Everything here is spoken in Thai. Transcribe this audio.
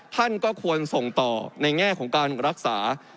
ท่านก็ควรส่งต่อในแง่ของการรักษา